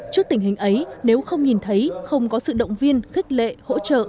trước tình hình ấy nếu không nhìn thấy không có sự động viên khích lệ hỗ trợ